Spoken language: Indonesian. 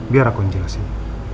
biar aku yang jelasin